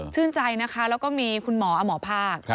ชื่นใจนะคะแล้วก็มีคุณหมออหมอภาค